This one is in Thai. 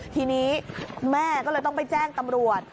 ทีนี้แม่ก็เลยต้องไปแจ้งตำรวจ